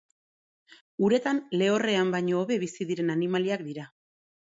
Uretan lehorrean baino hobe bizi diren animaliak dira.